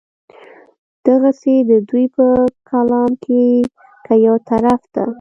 دغسې د دوي پۀ کلام کښې کۀ يو طرف ته